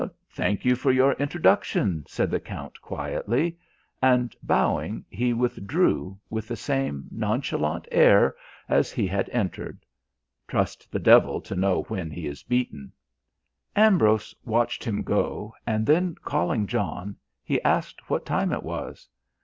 "Thank you for your introduction," said the Count quietly, and, bowing, he withdrew with the same nonchalant air as he had entered. Trust the devil to know when he is beaten. Ambrose watched him go and then calling John, he asked what time it was.